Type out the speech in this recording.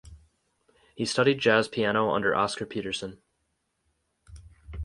He studied jazz piano under Oscar Peterson.